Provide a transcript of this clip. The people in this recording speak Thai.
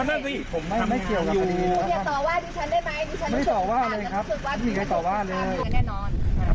อำเภอโพธาราม